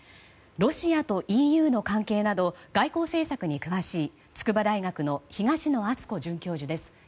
ロシアとＥＵの関係など外交政策に詳しい筑波大学の東野篤子准教授です。